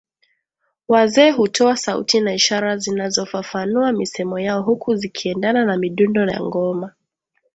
Wazee hutowa sauti na ishara zinazofafanua misemo yao huku zikiendana na midundo ya ngoma